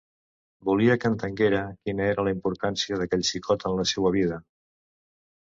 Volia que entenguera quina era la importància d'aquell xicot en la seua vida.